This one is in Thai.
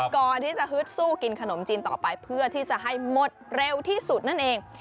ก่อนที่จะฮึดสู้กินขนมจีนต่อไปเพื่อที่จะให้หมดเร็วที่สุดนั่นเอง